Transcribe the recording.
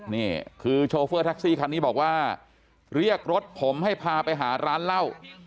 นี่คือโชเฟอร์แท็กซี่คันนี้บอกว่าเรียกรถผมให้พาไปหาร้านเหล้า